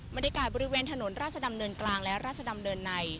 บรรยากาศบริเวณถนนราชดำเนินกลางและราชดำเนินใน